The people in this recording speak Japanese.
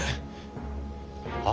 はっ？